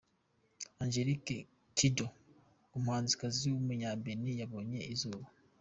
Angelique Kidjo, umuhanzikazi w’umunya-Benin yabonye izuba.